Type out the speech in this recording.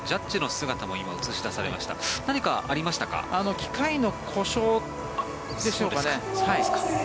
機械の故障でしょうかね。